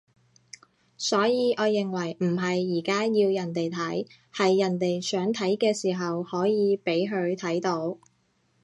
所以我認為唔係而家要人哋睇，係人哋想睇嘅時候可以畀佢睇到